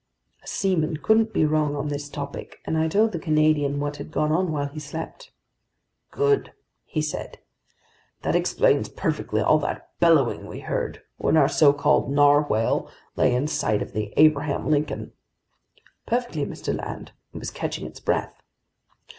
A seaman couldn't be wrong on this topic, and I told the Canadian what had gone on while he slept. "Good!" he said. "That explains perfectly all that bellowing we heard, when our so called narwhale lay in sight of the Abraham Lincoln." "Perfectly, Mr. Land. It was catching its breath!"